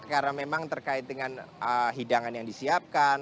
karena memang terkait dengan hidangan yang disiapkan